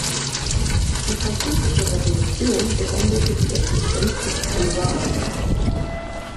Die Französische Revolution beendete die Existenz des Kröver Reichs.